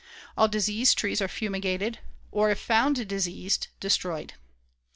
All diseased trees are fumigated, or if found diseased, destroyed.